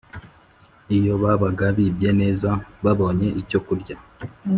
iyo babaga bibye neza babonye icyo kurya,